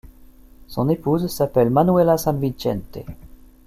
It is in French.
Son épouse s'appelle Manuela San Vicente.